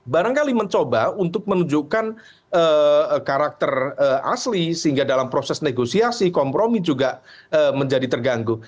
barangkali mencoba untuk menunjukkan karakter asli sehingga dalam proses negosiasi kompromi juga menjadi terganggu